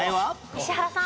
石原さん。